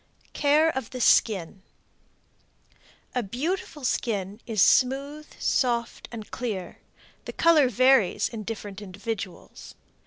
CARE OF THE SKIN. A beautiful skin is smooth, soft and clear; the color varies in different individuals.